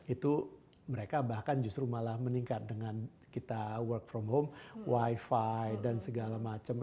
itu mereka bahkan justru malah meningkat dengan kita work from home wifi dan segala macam